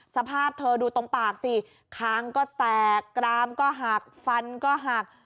สภาพเธอดูตรงปากสิคางก็แตกกรามก็หักฟันก็หัก